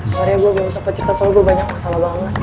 sorry gue gausah pencerita soal gue banyak masalah banget